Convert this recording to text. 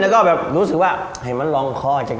แล้วก็แบบรู้สึกว่าให้มันลองคอจัง